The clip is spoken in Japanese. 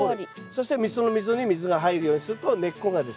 そしてその溝に水が入るようにすると根っこがですね